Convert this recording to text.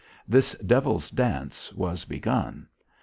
This devil's dance was begun.